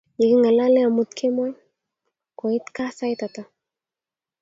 Yekingalalee amut kemoi, kweit gaa sait ata?